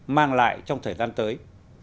mang lại trong thời gian tới